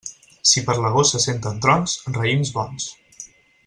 Si per l'agost se senten trons, raïms bons.